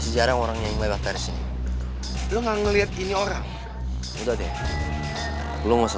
itu dari mana